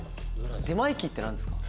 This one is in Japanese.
出前機って何ですか？